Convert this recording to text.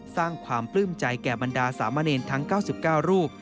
สร้างความปลื้มใจแก่บรรดาสามเณรทั้ง๙๙รูป